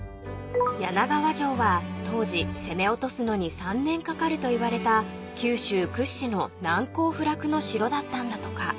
［柳川城は当時攻め落とすのに３年かかるといわれた九州屈指の難攻不落の城だったんだとか］